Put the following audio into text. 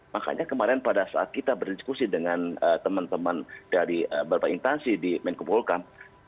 makanya kemarin pada saat kita berdiskusi dengan teman teman dari beberapa intansi di menkumpulkan